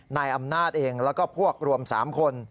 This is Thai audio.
นายอำนาจเองแล้วก็พวกรวม๓คน